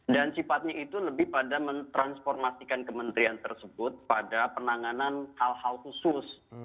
dan sifatnya itu lebih pada mentransformasikan kementerian tersebut pada penanganan hal hal khusus